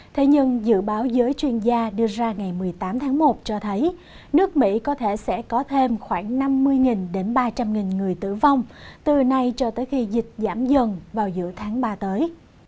thế nhưng dự báo giới chuyên gia đưa ra ngày một mươi tám tháng một cho thấy nước mỹ có thể sẽ có thêm khoảng năm mươi đến ba trăm linh người tử vong từ nay cho tới khi dịch giảm dần vào giữa tháng ba tới